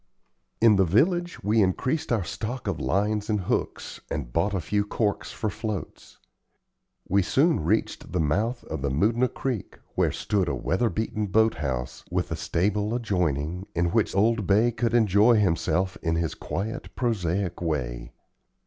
In the village we increased our stock of lines and hooks, and bought a few corks for floats. We soon reached the mouth of the Moodna Creek, where stood a weather beaten boat house, with a stable adjoining, in which old Bay could enjoy himself in his quiet, prosaic way.